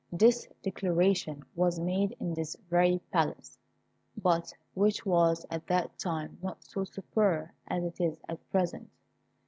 This declaration was made in this very Palace, but which was at that time not so superb as it is at present.